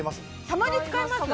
たまに使います